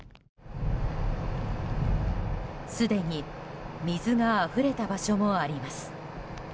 すでに水があふれた場所もあります。